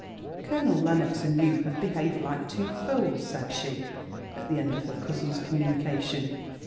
"Colonel Lennox and you have behaved like two fools," said she, at the end of her cousin's communication.